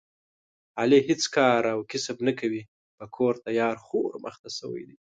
علي هېڅ کار او کسب نه کوي، په کور تیار خور مخته شوی دی.